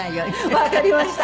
わかりました。